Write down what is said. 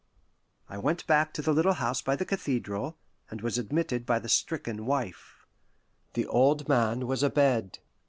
I went back to the little house by the cathedral, and was admitted by the stricken wife. The old man was abed.